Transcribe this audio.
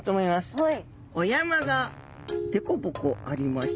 はい！